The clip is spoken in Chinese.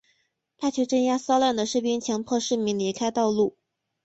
派去镇压骚乱的士兵强迫市民离开道路。